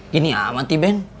gini amat iben